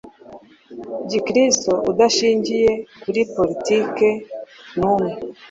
gikristu udashingiye kuri politike numwe